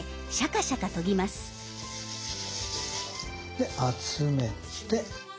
で集めて。